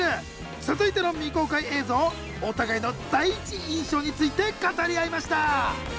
続いての未公開映像お互いの第一印象について語り合いました！